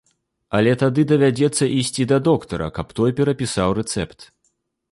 Але тады давядзецца ісці да доктара, каб той перапісаў рэцэпт.